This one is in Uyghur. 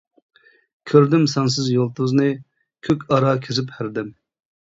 كۆردۈم سانسىز يۇلتۇزنى، كۆك ئارا كېزىپ ھەردەم.